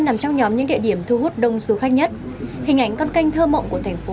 nằm trong nhóm những địa điểm thu hút đông du khách nhất hình ảnh con canh thơ mộng của thành phố